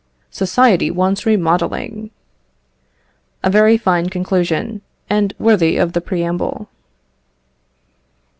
Society wants remodelling." A very fine conclusion, and worthy of the preamble.